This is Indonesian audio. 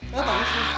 ya tau sih